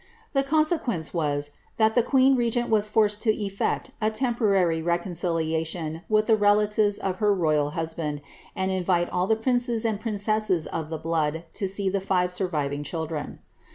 The consequence was, that the queen regent was forced to efiect a temporary reconciliation with the relatives of her royal husband, and invite all the princes and princesses of the blood to see the five surviving children.